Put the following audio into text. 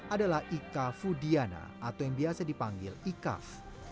adalah ikafudiana atau yang biasa dipanggil ikaf